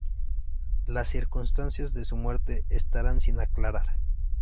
Las circunstancias de su muerte están sin aclarar.